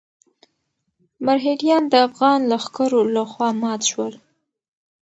مرهټیان د افغان لښکرو لخوا مات شول.